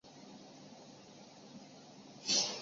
魏德林签署了用无线电宣布的命令。